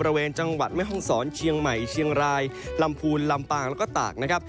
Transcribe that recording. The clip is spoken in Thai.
บริเวณจังหวัดแม่ห้องศรเชียงใหม่เชียงรายลำพูนลำปางแล้วก็ตากนะครับ